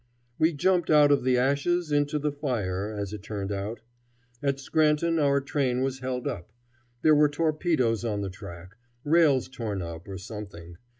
We jumped out of the ashes into the fire, as it turned out. At Scranton our train was held up. There were torpedoes on the track; rails torn up or something.